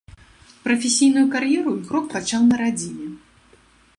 Прафесійную кар'еру ігрок пачаў на радзіме.